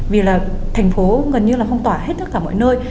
vì là thành phố gần như là phong tỏa hết tất cả mọi nơi